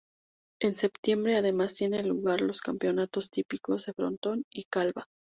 En septiembre además tienen lugar los campeonatos típicos de frontón y calva.